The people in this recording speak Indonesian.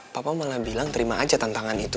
papa malah bilang terima aja tantangan itu